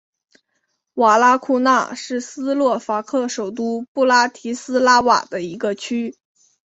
瓦拉库纳是斯洛伐克首都布拉提斯拉瓦的一个区。